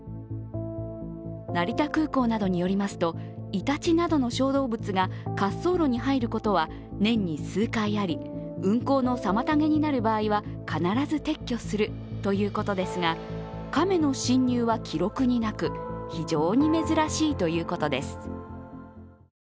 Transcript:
成田空港などによりますと、イタチなどの小動物が滑走路に入ることは年に数回あり、運航の妨げになる場合は必ず撤去するということですが、亀の侵入は記録になく、非常に珍しいということです。